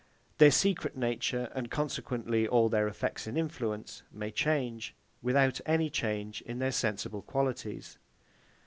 Their secret nature, and consequently all their effects and influence, may change, without any change in their sensible qualities.